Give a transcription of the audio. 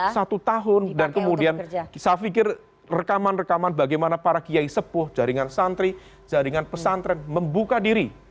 satu tahun dan kemudian saya pikir rekaman rekaman bagaimana para kiai sepuh jaringan santri jaringan pesantren membuka diri